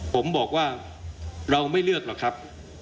ผมบอกว่าเราไม่เลือกหรอกครับ